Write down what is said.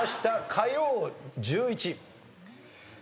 火曜１１。